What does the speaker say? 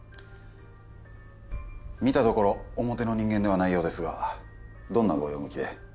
見たところ表の人間ではないようですがどんなご用向きで？